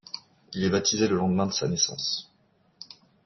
Il est baptisé le lendemain de sa naissance.